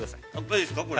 ◆いいですか、これ。